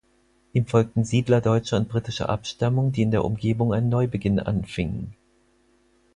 Ihm folgten Siedler deutscher und britischer Abstammung, die in der Umgebung einen Neubeginn anfingen.